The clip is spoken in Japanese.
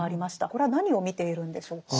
これは何を見ているんでしょうか？